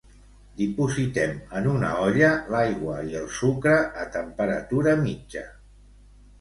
Dipositem en una olla l'aigua i el sucre a temperatura mitja.